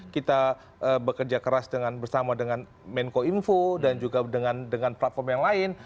kita bekerja keras bersama dengan menko info dan juga dengan platform yang lain